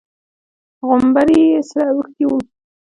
غومبري يې سره اوښتي وو.